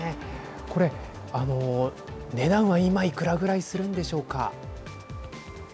これ値段は今いくらぐらいするんでしょうか。